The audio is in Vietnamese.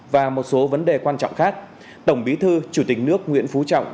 và một số vấn đề quan trọng khác tổng bí thư chủ tịch nước nguyễn phú trọng